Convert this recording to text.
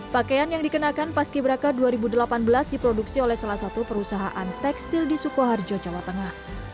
pakaian yang dikenakan paski braka dua ribu delapan belas diproduksi oleh salah satu perusahaan tekstil di sukoharjo jawa tengah